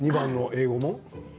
２番の英語も。